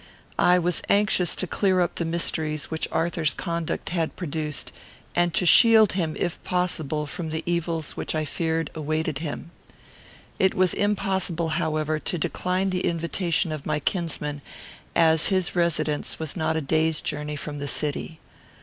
I was anxious to clear up the mysteries which Arthur's conduct had produced, and to shield him, if possible, from the evils which I feared awaited him. It was impossible, however, to decline the invitation of my kinsman, as his residence was not a day's journey from the city.